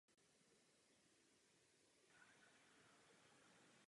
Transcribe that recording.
Na jejich místě dnes stojí rodinné domky.